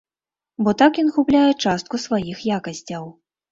Бо так ён губляе частку сваіх якасцяў.